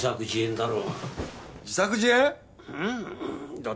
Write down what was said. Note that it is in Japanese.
だろ？